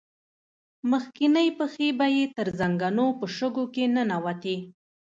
مخکينۍ پښې به يې تر زنګنو په شګو کې ننوتې.